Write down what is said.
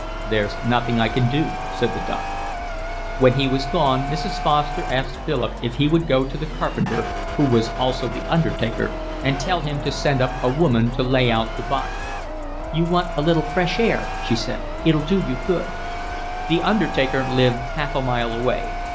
"There's nothing I can do," said the doctor. When he was gone Mrs. Foster asked Philip if he would go to the carpenter, who was also the undertaker, and tell him to send up a woman to lay out the body. "You want a little fresh air," she said, "it'll do you good." The undertaker lived half a mile away.